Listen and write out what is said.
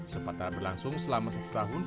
sempat berlangsung selama satu tahun